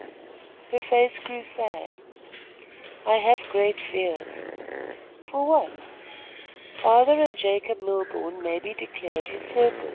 Her face grew sad. "I have great fears." "For what?" "Father and Jacob Milborne may be declared usurpers."